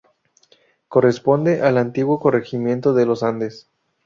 Corresponde al antiguo corregimiento de los Andes.